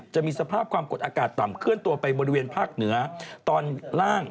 สภาพความกดอากาศต่ำเคลื่อนตัวไปบริเวณภาคเหนือตอนล่าง